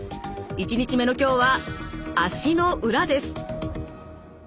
１日目の今日は足の裏です。